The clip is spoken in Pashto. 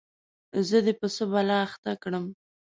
زه دي په څه بلا اخته کړم ؟